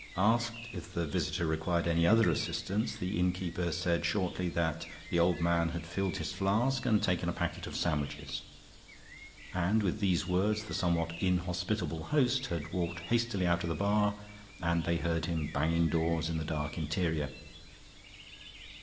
Asked if the visitor required any other assistance, the innkeeper said shortly that the old gentleman had filled his flask and taken a packet of sandwiches. And with these words the somewhat inhospitable host had walked hastily out of the bar, and they heard him banging doors in the dark interior.